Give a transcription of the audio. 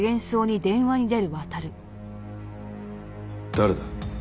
誰だ？